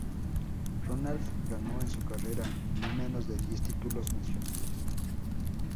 Ronald ganó en su carrera no menos de diez títulos nacionales.